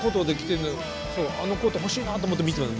あのコート欲しいなと思って見てます